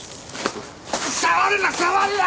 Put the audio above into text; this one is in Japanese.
触るな触るな！